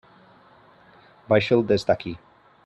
Baixa'l des d'aquí.